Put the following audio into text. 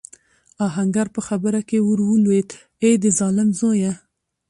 آهنګر په خبره کې ور ولوېد: اې د ظالم زويه!